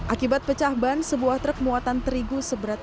akibat pecah ban sebuah truk muatan terigu seberat